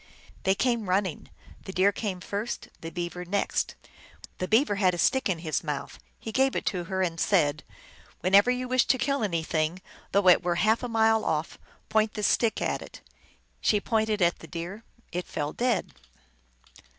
They came running ; the deer came first, the beaver next. The beaver had a stick in his mouth ; he gave it to her, and said, " When ever you wish to kill anything, though it were half a mile off, point this stick at it." She pointed it at the deer ; it fell dead.